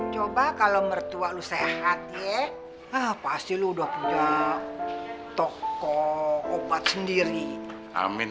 coba kalau mertua lu sehat ya pasti lu udah punya toko obat sendiri amin